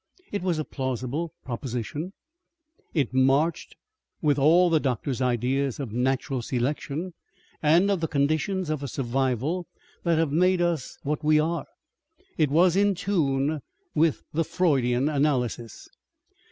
It was a plausible proposition: it marched with all the doctor's ideas of natural selection and of the conditions of a survival that have made us what we are. It was in tune with the Freudian analyses.